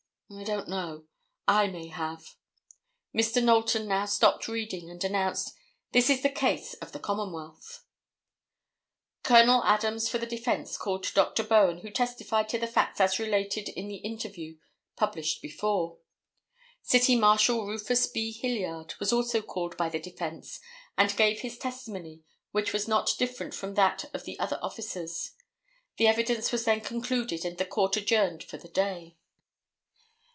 "I don't know. I may have." Mr. Knowlton now stopped reading, and announced: "This is the case of the Commonwealth." [Illustration: STATE OFFICER GEORGE SEAVER.] Col. Adams for the defence called Dr. Bowen who testified to the facts as related in the interview published before. City Marshal Rufus B. Hilliard was also called by the defence and gave his testimony which was not different from that of the other officers. The evidence was then concluded and the court adjourned for the day.